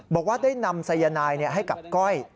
บอกว่าได้นำสายนายให้กับก้อย